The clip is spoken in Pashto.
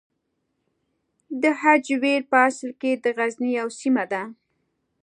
هجویر په اصل کې د غزني یوه سیمه ده.